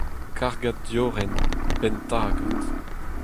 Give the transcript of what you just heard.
Kargad diorren, penn takad.